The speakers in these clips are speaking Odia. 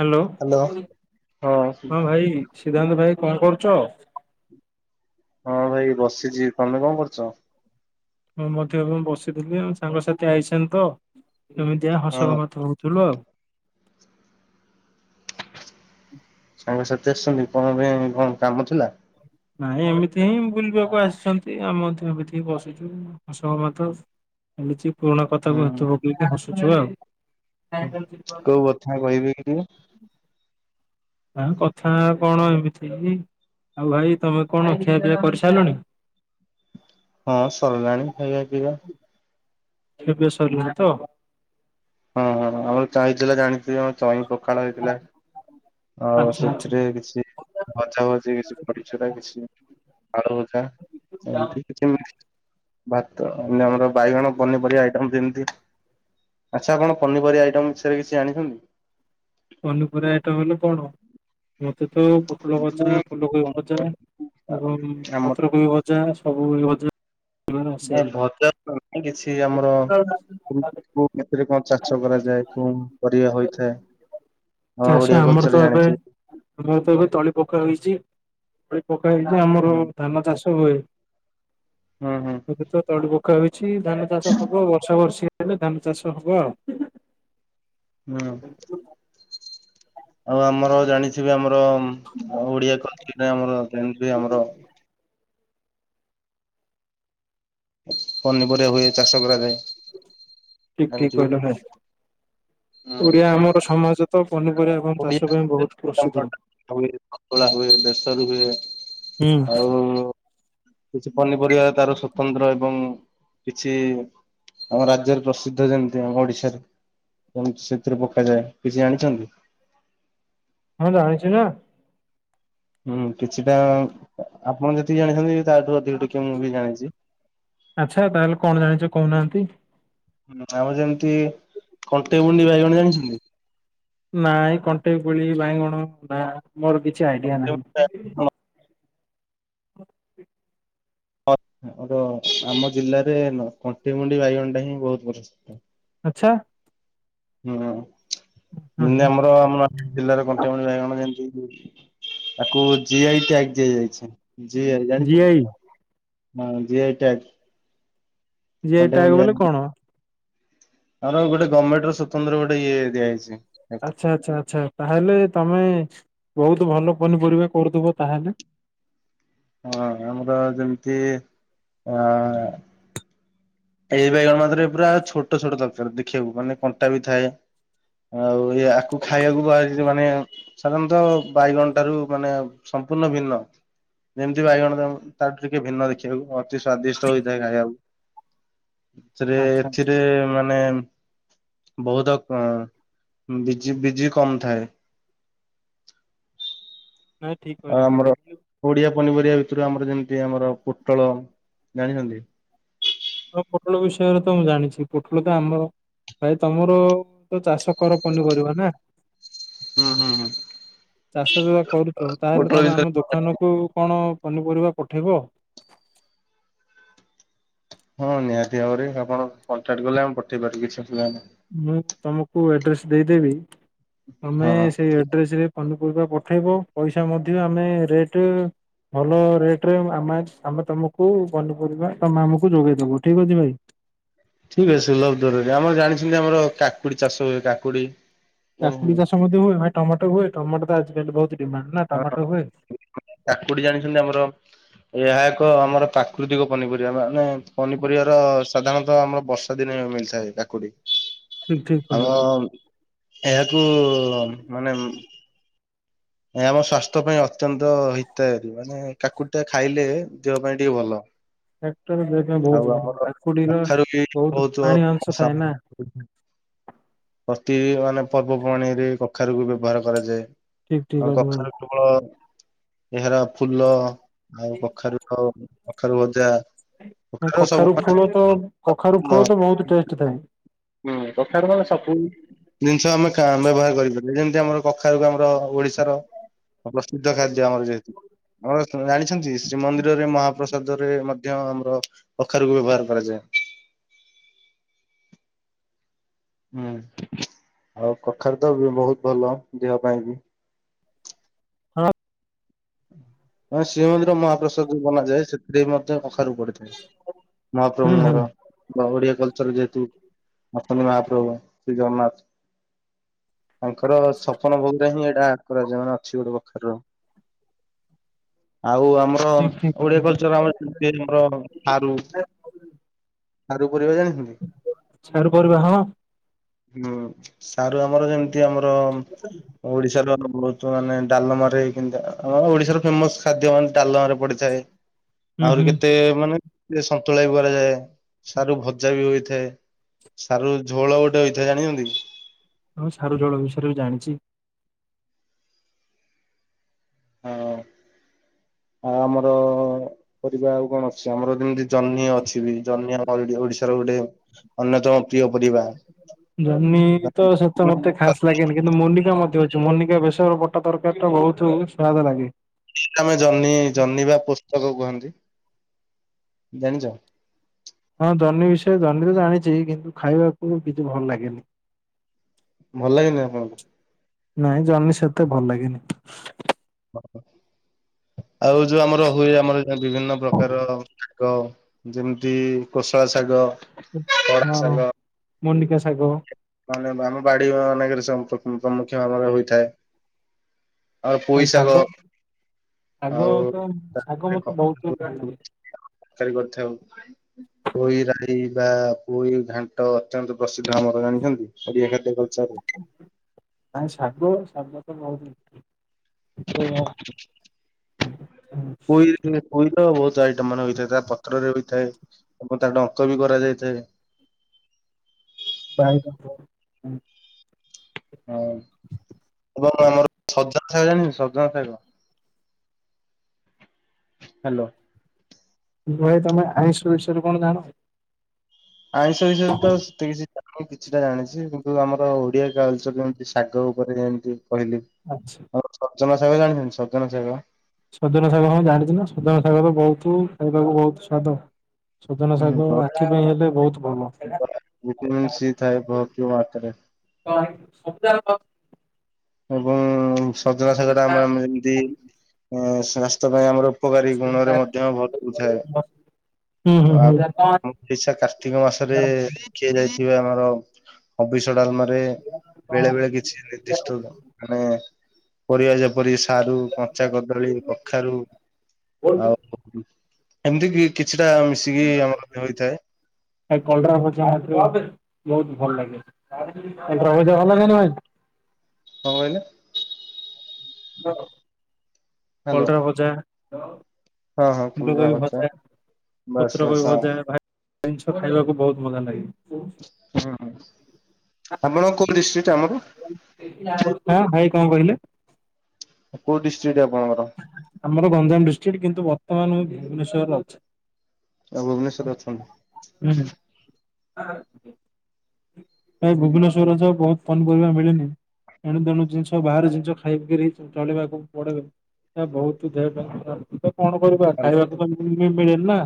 Hello hello. ହଁ ହଁ ଭାଇ, ସିଦ୍ଧାନ୍ତ ଭାଇ କଣ କରୁଚ? ହଁ ଭାଇ ବସିଚି ତମେ କଣ କରୁଚ? ମୁଁ ମଧ୍ୟ ଏବେ ବସିଥିଲି ସାଙ୍ଗସାଥି ଆଇଛନ୍ତି ତ ଏମିତି ହଁ ହସଗମାତ୍ ହଉଥିଲୁ ଆଉ। ସାଙ୍ଗସାଥି ଆସିଚନ୍ତି କଣ ପାଇଁ କଣ କାମ ଥିଲା? ନାଇଁ ଏମିତି ହିଁ ବୁଲିବାକୁ ଆସିଛନ୍ତି ଆମେ ମଧ୍ୟ [unintelligible] ବସିଚୁ। ହସଗମାତ ଏମିତି ପୁରୁଣା କଥାକୁ [unintelligible] ପକେଇିକି ହସୁଛୁ ହୁଁ ଆଉ। କୋଉ କଥା କହିବେ କି [unintelligible] ନା କଥା କଣ ଏମିତି ଆଉ ଭାଇ ତମେ କଣ ଖିଆପିଆ କରିସାରିଲଣି? ହଁ ସରିଲାଣି ଖାଇବା ପିଇବା। ଖିଆ ପିଆ ସରିଲା ତ? ହଁ ହଁ ହଁ ଆମର ଚାଇଁଥିଲା ଜାଣିଥିବେ ଆମ ଚଇଁ ପଖାଳ ହେଇଥିଲା। ଆଉ ଆଚ୍ଛା ଆଚ୍ଛା ସେଥିରେ କିଛି ଭଜା ଭଜି କିଛି ବଢି ଚୁରା ମିଶିଲା ଆଳୁଭଜା ସେମିତି କିଛି ଭାତ ମାନେ ଆମର ବାଇଗଣ ପନିପରିବା ଆଇଟମ୍ ଯେମିତି ଆଚ୍ଛା ଆପଣ ପନିପରିବା ଆଇଟମ୍ ବିଷୟରେ କିଛି ଜଣିଛନ୍ତି? ପନିପରିବା ଆଇଟମ୍ ହେଲେ କଣ ମତେ ତ ପୋଟଳ ଭଜା ମୁଁ ଫୁଲକୋବି ଭଜା ଏବଂ ଆମର ପତ୍ରକୋବି ଭଜା ସବୁ ଭଜା କରିବାର ଆସେ। ନାଇଁ ଭଜା ନାହିଁ କିଛି ଆମର କୋଉ ଋତୁ ରେ କଣ ଚାଷ କରାଯାଏ କଣ ପରିବା ହୋଇଥାଏ? ଆମ ଚାଷ ଓଡିଆ ଆମର କଲଚର ତ ଏବେ ଜାଣିଥିବେ। ଆମର ତ ଏବେ ତଳି ପକା ହୋଇଚି। ତଳି ପକା ହୋଇଚି ଆମର ହୁଁ ଧାନ ଚାଷ ହୁଏ ହୁଁ ହୁଁ ଏବେ ତ ତଳି ପକା ହୋଇଚି ଧାନ ଚାଷ ହବ ବର୍ଷା ବର୍ଷି ହେଲେ ଧାନ ଚାଷ ହବ ଆଉ। ହୁଁ। ଆଉ ଆମର ଜାଣି ଥିବେ ଆମର ଆଉ ଓଡିଆ [unintelligible] ଆମର ଜାଣି ଥିବେଆମର ପନିପରିବା ହୁଏ ଚାଷ କରାଯାଏ। ଠିକ୍ ଠିକ୍ ଜାଣିଥିବେ। କହିଲ ଭାଇ ହୁଁ ଓଡିଆ ଆମର ସମାଜ ତ ପନିପରିବା ଆମ ଓଡ଼ିଆ ଚାଷ ପାଇଁ ବହୁତ୍ ପ୍ରସିଦ୍ଧ। ହୁଏ ପତଳା ହୁଏ ବେସର ହୁଏ। ହୁଁ। ଆଉ କିଛି ପନିପରିବା ତାର ସ୍ଵତନ୍ତ୍ର ଏବଂ କିଛି ଆମ ରାଜ୍ୟରେ ପ୍ରସିଦ୍ଧ ଯେମିତି ଆମ ଓଡିଶାରେ କେମତି ସେଥିରୁ ପକାଯାଏ କିଛି ଜାଣିଛନ୍ତି? ହଁ ଜାଣିଚି ନା। ହୁଁ କିଛିଟା ଆପଣ ଯେତିକି ଜାଣିଛନ୍ତି ତାଠୁ ଅଧିକ ଟିକେ ମୁଁ ବି ଆଚ୍ଛା ତାହେଲେ କଣ ଜାଣିଛ କହୁନାହାନ୍ତି? ଜାଣିଛି। ଆଉ ଯେମିତି କଣ୍ଟେଇ ଗୁଣ୍ଡି ବାଇଗଣ ଜାଣିଛନ୍ତି? ନାଇଁ କଣ୍ଟେଇ କୋଳି ବାଇଗଣ ନା ମୋର କିଛି ଆଇଡିଆ ନାହିଁ। ହ ଆମର ଆମ ଜିଲ୍ଲାରେ କଣ୍ଟିମୁଣ୍ଡି ବାଇଗଣଟା ହିଁ ବହୁତ ପ୍ରସିଦ୍ଧ। ଆଚ୍ଛା। ହୁଁ ଯେମତି ଆମର ଆମ [unintelligible] ଜିଲ୍ଲାର କଣ୍ଟିମୁଣ୍ଡି ବାଇଗଣ ଯେମତି ତାକୁ ଜି ଆଇ ଟ୍ୟାଗ ଦିଆ ଯାଇଛି। ଜି ଆଇ ଜାଣିଛନ୍ତି? GI GI tag. G I tag କଣ୍ଟେଇମୁଣ୍ଡି ବୋଲେ ବାଇଗଣ କଣ? ଆମର ଗୋଟେ ଗଭର୍ଣ୍ଣମେଣ୍ଟ ର ସ୍ୱତନ୍ତ୍ର ଗୋଟେ ଇଏ ଦିଆଯାଇଛି। ଆଚ୍ଛା ଆଚ୍ଛା ଆଚ୍ଛା ତାହେଲେ ତମେ ବହୁତ ଭଲ ପନିପରିବା କରୁଥିବ ତାହେଲେ? ହଁ ଆମର ଯେମିତି ଆ ଏଇ ବାଇଗଣ ମଧ୍ୟରେ ପୁରା ଛୋଟ ଛୋଟ ଦରକାର ଦେଖିବାକୁ ମାନେ କଣ୍ଟା ବି ଥାଏ। ଆଉ ଆକୁ ଖାଇବାକୁ ବାହାରିଛି ମାନେ ସାଧାରଣତଃ ବାଇଗଣ ଠାରୁ ମାନେ ସମ୍ପୂର୍ଣ୍ଣ ଭିନ୍ନ। ଯେମିତି ବାଇଗଣ ତ ତାଠୁ ଟିକେ ଭିନ୍ନ ଦେଖିବାକୁ ଅତି ସ୍ଵାଦିଷ୍ଟ ହୋଇଥାଏ ଖାଇବାକୁ। ଏଥିରେ ଆଚ୍ଛା ଆଚ୍ଛା ଏଥିରେ ମାନେ ବୋହୁତ ଙ୍କ ବିଜି ବିଜି କମ ଥାଏ। ନାଁ ଠିକ୍ ଆଉ କହିଲୁ ଠିକ୍ ଆମର ଅସିଲୁ ଆଉ। ଓଡିଆ ପନିପରିବା ଭିତରୁ ଆମର ଯେମିତି ଆମର ପୋଟଳ ଜାଣିଚନ୍ତି? ହଁ ପୋଟଳ ବିଷୟରେ ତ ମୁଁ ଜାଣିଛି ପୋଟଳ ତ ଆମର ଭାଇ ତମର ତ ଚାଷ କର ପନିପରିବା ନା? ହୁଁ ହୁଁ ହୁଁ। ଚାଷ ଜୋଉଆ କରୁଚୁ ତାହେଲେ ପୋଟଳ ତମେ ବିଷୟରେ ଆମ ଦୋ ଦୋକାନକୁ କଣ ପନିପରିବା ପଠେଇବ? ହଁ ନିହାତି ଭାବରେ ଆପଣ କଣ୍ଟାକ୍ଟ କଲେ ଆମେ ପଠେଇ ପାରୁୁବୁ କିଛି ଅଶୁବିଧା ନାହିଁ। ମୁଁ ତମକୁ ଆଡ୍ରେସ ଦେଇଦେବି। ତମେ ହଁ। ସେଇ ଆଡ୍ରେସ ରେ ପନିପରିବା ପଠେଇବ ପଇସା ମଧ୍ୟ ଆମେ ରେଟ ଭଲ ରେଟ ରେ ଆମେ ଆମେ ତମକୁ ପନିପରିବା ତମେ ଆମକୁ ଯୋଗେଇଦବୁ ଠିକ୍ ଅଛି ଭାଇ। ଠିକ୍ ଅଛି ସୁଲଭ ଦରରେ ଆମର ଜାଣିଚନ୍ତି ଆମର କାକୁଡି ଚାଷ ହୁଏ କାକୁଡି କାକୁଡି ଜାଣିଛନ୍ତି। ଚାଷ ମଧ୍ୟ ହୁଏ ଭାଇ ଟମାଟୋ ହୁଏ ଟମାଟୋ ତ ଆଜିକାଲି ବୋହୁତ ଡିମାଣ୍ଡ ନା ଟମାଟୋ ହୁଏ? କାକୁଡି ଜାଣିଚନ୍ତି ଆମର ଏହା ଏକ ଆମର ପ୍ରାକୃତିକ ପନିପରିବା ମାନେ ପନିପରିବା ର ସାଧାରଣତଃ ଆମର ବର୍ଷ ଶୀତ ଦିନେ ମିଳତାଏ କାକୁଡି। ଠିକ ଠିକ କହିଲ ଆମ ଭାଇ ଏହାକୁ ମାନେ ଏ ଆମ ସଵାସ୍ଥ୍ୟ ପାଇଁ ଅତ୍ୟନ୍ତ ହିତାୟାରୀ ମାନେ କାକୁଡି ଟା ଖାଇଲେ ଦେହ ପାଇଁ ଟିକେ ଭଲ। କାକୁଡି ଦେହ ପାଇଁ ବହୁତ ଆଉ ଭଲ ଆମର କାକୁଡିର କଖାରୁ ବି ବହୁତ ବୋହୁତ ପାଣି ଅଂଶ ଥାଏ ନା ପ୍ରତି ମାନେ ପର୍ବପର୍ବାଣୀ ରେ କଖାରୁକୁ ବ୍ୟବହାର କରାଯାଏ। ଠିକ ଠିକ ଆଉ କହିଲ ଭାଇ। କଖାରୁ କେବଳ ଏହାର ଫୁଲ ଆଉ କଖାରୁ ଆଉ କଖାରୁ ଭଜା କଖାରୁ ଫୁଲ ତ କଖାରୁ ଅ ଫୁଲ ତ ବୋହୁତ ଟେଷ୍ଟ ଥାଏ। ହୁଁ କଖାରୁ ଫଳ ସବୁ ଜିନିଷ ଆମେ କା ବ୍ୟବହାର କରିପାରିବା ଯେମିତି ଆମର କଖାରୁକୁ ଆମର ଓଡିଶାର ପ୍ରସିଦ୍ଧ ଖାଦ୍ୟ ଆମର ଯେହେତୁ ଜାଣିଛନ୍ତି ଶ୍ରୀମନ୍ଦିରରେ ମହାପ୍ରସାଦ ରେ ମଧ୍ୟ ଆମର ଅଖାରୁକୁ ବ୍ୟବହାର କରାଯାଏ। ହୁଁ ଆଉ କଖାରୁ ତ ବୋହୁତ ଭଲ ଦେହ ପାଇଁ ବି। ହଁ। ମ ଶ୍ରୀମନ୍ଦିର ମହାପ୍ରସାଦ ଯୋଉ ବନାଯାଏ ସେଥିରେ ବି ମଧ୍ୟ କଖାରୁକୁ ପଡିଥାଏ। ହୁଁ ହୁଁ ମହାପ୍ରଭୁଙ୍କର ବା ଓଡିଆ କଲଚର ଯେହେତୁନୀ ବସିଚନ୍ତି ମହାପ୍ରଭୁ ଶ୍ରୀ ଜଗନ୍ନାଥ। ତାଙ୍କର ଛପନ ଭୋଗରେ ହିଁ ଏଇଟା କରାଯାଏ ମାନେ ଅଛି ଗୋଟେ କଖାରୁର। ଆଉ ଆମର ଠିକ ଠିକ କହିଲ ଓଡିଆ ଭାଇ। କଲଚର ଆମର ସେ ଆମର ସାରୁ ସାରୁ ପରିବା ଜାଣିଛନ୍ତି? ଶାରୁ ପରିବା ହଁ। ହୁଁ ସାରୁ ଆମର ଯେମିତି ଆମର ଓଡିଶାର ବୋହୁତ ମାନେ ଡାଲମାରେ ଆମ ଓଡିଶାର ଫେମସ ଖାଦ୍ୟ ମାନେ ଡାଲମାରେ ପଡିଥାଏ। ହୁଁ ଆହୁରି ହୁଁ କେତେ ମାନେ ସନ୍ତୁଳା ବି କରାଯାଏ ସାରୁ ଭଜା ବି ହୋଇଥାଏ। ସାରୁ ଝୋଳ ଗୋଟେ ହୋଇଥାଏ ଜାଣିଛନ୍ତି କି? ହଁ ସାରୁ ଜଳ ବିଷୟରେ ବି ଜାଣିଛି। ଆ ଆମର-ଅ-ଅ-ଅ-ଅ ପରିବା ଆଉ କଣ ଅଛି ଆମର ଯେମିତି ଜହ୍ନି ଅଛି ବି ଜହ୍ନି ଆମର ଏଠି ଓଡିଶାର ଗୋଟେ ଅନ୍ୟତମ ପ୍ରିୟ ପରିବା। ଜହ୍ନି ତ ସେତେ ମତେ ଖାସ୍ ଲାଗେନି। କିନ୍ତୁ ମୋନିକା ମଧ୍ୟ ଅଛି ମୋନିକା ବେସର ବଟା ତରକାରୀଟା ବହୁତ ସ୍ଵାଦ ଲାଗେ। ଆମେ ଜହ୍ନି ଜହ୍ନି ବା ପୋସ୍ତକ କୁହନ୍ତି, ଜାଣିଛ? ହଁ ଜହ୍ନି ବିଷୟରେ ଜହ୍ନି ତ ଜାଣିଛି କିନ୍ତୁ ଖାଇବାକୁ କିଛି ଭଲ ଲାଗେନି। ଭଲ ଲାଗେନି ଆପଣଙ୍କୁ? ନାଇଁ ଜହ୍ନି ସେତେ ଭଲ ଲାଗେନି। ଆଉ ଯୋଉ ଆମର ହୁଏ ଆମର ଯୋଉ ବିଭିନ୍ନ ପ୍ରକାରର ଗ ଯେମିତି କୋଶଳା ଶାଗ ଖଡା ହଁ, ଶାଗ ମୋନିକା ଶାଗ। ମାନେ ଆମ ବାଡି ମାନେକେରେ ସବୁ ପ୍ରମୁଖ୍ୟ ଭାବରେ ହୋଇଥାଏ। ଆଉ ପୋଇ ଶାଗ। ଶାଗ ଆଉ ତ ଶାଗ ମତେ ବହୁତ [unintelligible] ଲାଗେ। ଖାଲି କଥା ହଉ। ପୋଇ ରାଇ ବା ପୋଇ ଘାଣ୍ଟ ଅତ୍ୟନ୍ତ ପ୍ରସିଦ୍ଧ ଆମର। [unintelligible] କୁହନ୍ତୁ କାଲି ଏଗାରଟା ପଞ୍ଚାରେ ମାନେ ଶାଗ ଶାଗ ତ ବହୁତ ପୋଇ [unintelligible] ପୋଇର ବହୁତ ଆଇଟମ ମାନେ ହୋଇଥାଏ ତା ପତ୍ରରେ ହୋଇଥାଏ ଏବଂ ତାର ଡଙ୍କ ବି କରାଯାଇଥାଏ। ବାଇଡଙ୍କ [inaudible] ହଁ, ଏବଂ ଆମର ସଜନା ଶାଗ ଜାଣିଛନ୍ତି ସଜନା ଶାଗ? ହ୍ୟାଲୋ। ଭାଇ ତମେ ଆଇଁଷ ବିଷୟରେ କଣ ଜାଣ? ଆଇଁଷ ବିଷୟରେ ତ ସେତେ କିଛି ମୁଁ କିଛିଟା ଜାଣିଛି କିନ୍ତୁ ଆମର ଓଡିଆ କାଲଚର୍ ଯେମିତି ଶାଗ ଉପରେ ଯେମିତି କହିଲି। ଆଚ୍ଛା। ସଜନ ଶାବା ଜାଣିଛନ୍ତି ସଜନା ଶାଗ? ସଜନ ଶାଗ ହଁ ଜାଣିଛି ନା ସଜନ ଶାଗ ତ ବହୁତ ଖାଇବାକୁ ବହୁତ ସ୍ଵାଦ। ସଜନ ଶାଗ ଆଖି ପାଇଁ ହେଲେ ବହୁତ ଭଲ। ଭିଟାମିନ୍ ସି ଥାଏ ବହୁତ ମାତ୍ରାରେ। [unintelligible] ଏବଂ ସଜନା ଶାଗଟା ଆମ ଆମ ଯେମିତି ଅଁ-ଅଁ ସ୍ୱାସ୍ଥ୍ୟ ପାଇଁ ଆମର ଉପକାରୀ ଗୁଣରେ ମଧ୍ୟ ଭରପୁର ଥାଏ‌। ହୁଁ ହୁଁ ଆଉ ହୁଁ। ଆମ ଓଡିଶା କାର୍ତ୍ତିକ ମାସରେ ଖିଆ ଯାଇଥିବା ଆମର ହବିଷ ଡାଲମାରେ ବେଳେ ବେଳେ କିଛି ନିର୍ଦ୍ଦିଷ୍ ଥୋଇଦାଅ, ମାନେ ପରିବା ଯେମ୍ ପରି ସାରୁ କଞ୍ଚା କଦଳୀ କଖାରୁ ଆଉ ଏମିତିକି କିଛିଟା ମିଶିକି ଆମର ହୋଇଥାଏ। ଭାଇ କଲରା ଭଜା ବହୁତ, ବହୁତ ଭଲ ଲାଗେ, କଲରା ଭଜା ଭଲ ଲାଗେ ନା ଭାଇ? କଣ କହିଲେ? ହ୍ୟାଲୋ କଲରା ଭଜା? ହଁ ହଁ ଫୁଲ କୋବି କେନ୍ଦ୍ରାପଚା ଭଜା ବାସ୍ ପତ୍ର ବାସ୍ କୋବି ହଁ ଭଜା ଭା ଜିନିଷ ଖାଇବାକୁ ବହୁତ ମଜା ଲାଗେ। ହୁଁ ଆପଣ କୋଉ ଡିଷ୍ଟ୍ରିକ୍ଟ ଆମର? କଣ ଭାଇ କଣ କହିଲେ? କୋଉ ଡିଷ୍ଟ୍ରିକ୍ଟ ଆପଣଙ୍କର? ଆମର ଗଞ୍ଜାମ ଡିଷ୍ଟ୍ରିକ୍ଟ କିନ୍ତୁ ବର୍ତ୍ତମାନ ମୁଁ ଭୁବନେଶ୍ୱରରେ ଅଛି। ତମେ ଭୁବନେଶ୍ଵରରେ ଅଛ? ହୁଁ। ଭାଇ ଭୁବନେଶ୍ଵରରେ ଯୋଉ ବହୁତ ପନିପରିବା ମିଳେନି। ଏଣୁ ତେଣୁ ଜିନିଷ ବାହାରେ ଜିନିଷ ଖାଇିକିରି ଚଳିବାକୁ ପଡେ। ବହୁତ ଦେହଟା ଖରାପ। କଣ କରିବା ଖାଇବାକୁ ତ ମିଳେନି ନା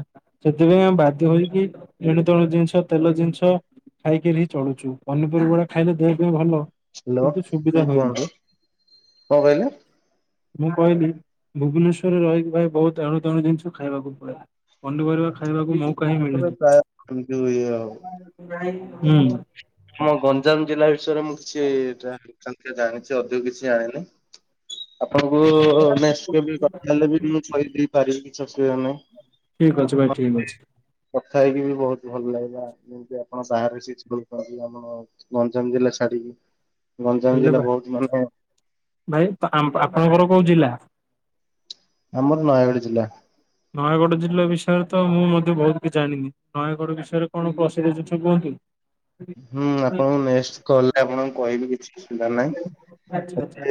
ସେଥିପାଇଁ ଆମେ ବାଧ୍ୟ ହୋଇକି ଏଣୁ ତେଣୁ ଜିନିଷ ତେଲ ଜିନିଷ ଖାଇକିରି ହିଁ ଚଳୁଛୁ ପନିପରିବା ଖାଇଲେ ଦେହ ପାଇଁ ଭଲ ହ୍ୟାଲୋ ହଁ କିନ୍ତୁ ସୁବିଧା କଣ ହୁଏନି। କୁହନ୍ତୁ କଣ କହିଲେ? ମୁଁ କହିଲି ଭୁବନେଶ୍ଵରରେ ରହିକି ଭାଇ ବହୁତ ଏଣୁ ତେଣୁ ଜିନିଷ ଖାଇବାକୁ ପଡେ। ପନିପରିବା ଖାଇବାକୁ ମୌକା ହିଁ ମିଳେନି। ତମକୁ ଇଏ ଯୋଉ ହେଲା। ହୁଁ। ଆମ ଗଞ୍ଜାମ ଜିଲ୍ଲା ବିଷୟରେ ମୁଁ କିଛି ଜାଣିଛି ଅଧିକ କିଛି ଜାଣିନି ଆପଣଙ୍କୁ ହେଲେ ବି ମୁଁ କହିଦେଇ ପାରିବି କିଛି ଅସୁବିଧା ନାହିଁ। ଠିକ ଅଛି ଭାଇ ଠିକ୍ ଅଛି। କଥା ହେଇକି ବି ବହୁତ ଭଲ ଲାଗିଲା ଯେମିତି ଆପଣ ବା [unintelligible] ଗଞ୍ଜାମ ଜିଲ୍ଲା ଛାଡିକି ଗଞ୍ଜାମ ହେଲେ ଜିଲ୍ଲା ବା ବହୁତ ଭୟଙ୍କର। ଭାଇ ଆପଣଙ୍କର କୋଉ ଜିଲ୍ଲା? ଆମର ନୟାଗଡ଼ ଜିଲ୍ଲା। ନୟାଗଡ଼ ଜିଲ୍ଲା ବିଷୟରେ ତ ମୁଁ ମଧ୍ୟ ବହୁତ କିଛି ଜାଣିନି? ନୟାଗଡ଼ ବିଷୟରେ କଣ ପ୍ରସିଦ୍ଧ କିଛି କୁହନ୍ତୁ? ହୁଁ ଆପଣଙ୍କୁ ନେଷ୍ଟ କଲ ରେ ଆପଣଙ୍କୁ କହିବି କିଛି ଅସୁବିଧା ନାହିଁ। ଆଚ୍ଛା ଆଚ୍ଛା।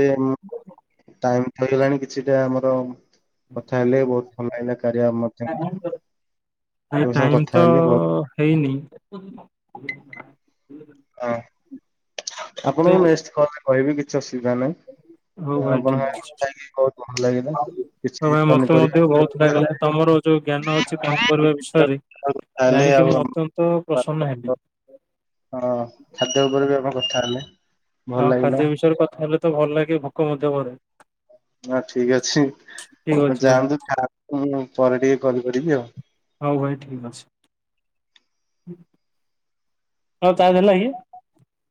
ଟାଇମତ ହେଇଗଲାଣି କିଛିଟା ଆମର କଥା ହେଲେ ବହୁତ ଭଲ ଲାଗିଲା କାରିଆ ମାଧ୍ୟମରେ। ଭାଇ ଆପଣଙ୍କ ସାଙ୍ଗେ ଟାଇମ କଥା ତ ହେଲି ବହୁତ ହେଇନି? ଅହ। ହଁ ଆପଣଙ୍କୁ ନେଷ୍ଟ କଲରେ କହିବି କିଛି ଅସୁବିଧା ନାହିଁ। ହଉ ଭାଇ ଆପଣଙ୍କ ଠିକ ସାଙ୍ଗେ କଥା ଅଛି ହେଇକି ବହୁତ ଭଲ ଲାଗିଲା। କିଛି ହଉ ଭାଇ ମତେ ପନିପରିବା ମଧ୍ୟ ବହୁତ କଥା ଭଲଲାଗିଲା ତମର ଯୋଉ ଜ୍ଞାନ ଅଛି [unintelligible] କଣ କରିବା ବିଷୟରେ ହେଲେ ଜାଣିକି ଆଉ ମୁଁ ଆମ ଅତ୍ୟନ୍ତ ପ୍ରସନ୍ନ ହେଲି। ହଁ ଖାଦ୍ୟ ଉପରେ ବି ଆପଣ କଥା ହେଲେ। ଭଲ ହଁ ଲାଗିଲା। ଖାଦ୍ୟ ବିଷୟରେ କଥା ହେଲେ ତ ଭଲ ଲାଗେ। ଭୋକ ମଧ୍ୟ କରେ ହଁ ଠିକ ଅଛି ଠିକ ଅଛି ଭାଇ ଯାଆନ୍ତୁ ଖାଆନ୍ତୁ। ହୁଁ ପରେ ଟିକେ କଲ୍ କରିବି ଆଉ। ହଉ ଭାଇ ଠିକ୍ ଅଛି, ହଉ ଚାର୍ଜ ହେଲା କି?